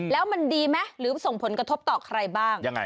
แล้วมันดีไหมหรือส่งผลกระทบต่อใครบ้าง